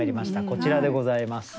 こちらでございます。